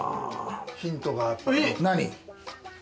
ヒントがあった。